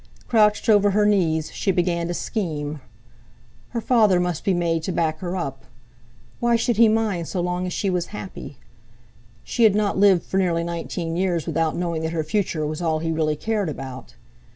Crouched over her knees she began to scheme. Her father must be made to back her up. Why should he mind so long as she was happy? She had not lived for nearly nineteen years without knowing that her future was all he really cared about.